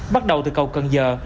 bắt đầu từ cầu cần giờ